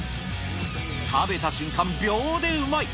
食べた瞬間、秒でうまい。